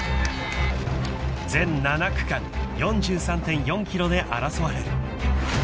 ［全７区間４３．４ｋｍで争われる］